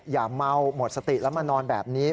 อย่าเมาหมดสติแล้วมานอนแบบนี้